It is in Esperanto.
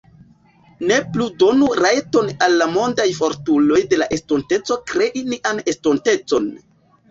Ne plu donu rajton al la mondaj fortuloj de la estinteco krei nian estontecon